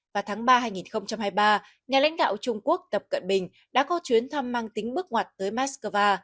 vào tháng ba hai nghìn hai mươi ba nhà lãnh đạo trung quốc tập cận bình đã có chuyến thăm mang tính bước ngoặt tới moscow